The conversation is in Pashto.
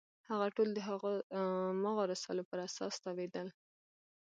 هغه ټول د هماغو رسالو پر اساس تاویلېدل.